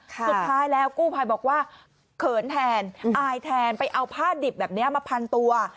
สุดท้ายแล้วกู้ภัยบอกว่าเขินแทนอายแทนไปเอาผ้าดิบแบบนี้มาพันตัว